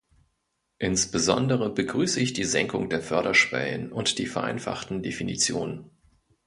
Insbesondere begrüße ich die Senkung der Förderschwellen und die vereinfachten Definitionen.